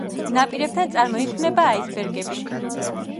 ნაპირებთან წარმოიქმნება აისბერგები.